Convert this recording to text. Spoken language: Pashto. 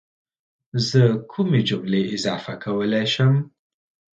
زه کومې جملې اضافه کولی شم؟